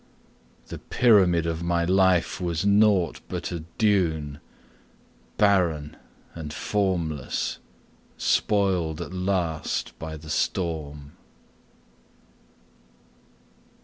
The pyramid of my life was nought but a dune, Barren and formless, spoiled at last by the storm.